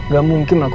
gak mungkin lah kok